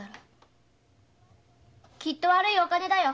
きっと悪いお金だよ！